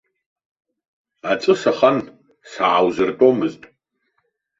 Аҵәы сахан, сааузыртәомызт.